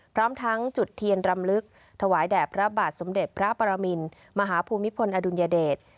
พร้อมทั้งจุดเทียนรำลึกถวายแด่พระบาทสมเด็จพระปรมินมหาภูมิพลอดุลยเดช